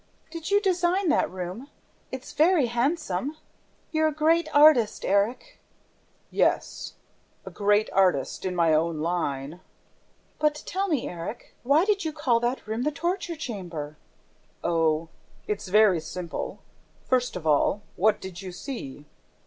"Did you design that room? It's very handsome. You're a great artist, Erik." "Yes, a great artist, in my own line." "But tell me, Erik, why did you call that room the torture chamber?" "Oh, it's very simple. First of all, what did you see?"